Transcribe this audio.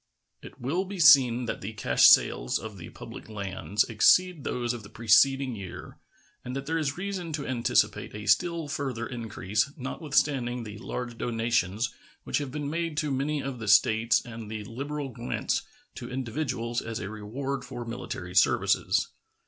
It will be seen that the cash sales of the public lands exceed those of the preceding year, and that there is reason to anticipate a still further increase, notwithstanding the large donations which have been made to many of the States and the liberal grants to individuals as a reward for military services.